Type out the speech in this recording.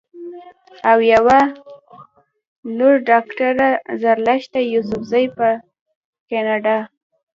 او يوه لورډاکټره زرلښته يوسفزۍ پۀ کنېډا